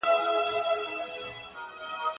ساینسي څېړنې د روژې پر دماغي فعالیت تمرکز کړی.